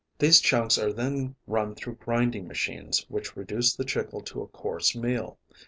These chunks are then run through grinding machines, which reduce the chicle to a coarse meal.